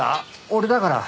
俺だから。